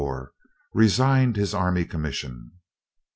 Resigned his army commission.